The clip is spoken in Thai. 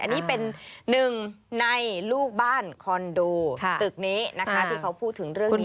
อันนี้เป็นหนึ่งในลูกบ้านคอนโดตึกนี้นะคะที่เขาพูดถึงเรื่องนี้